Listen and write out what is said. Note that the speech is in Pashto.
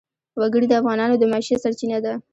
وګړي د افغانانو د معیشت سرچینه ده.